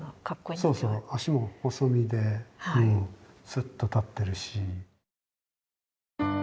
そうそう脚も細身でスっと立ってるし。